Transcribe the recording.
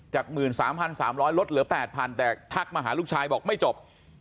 แต่มีสามพันบาทแล้วแปบผ่านแต่มาหาลูกชายบอกไม่จบ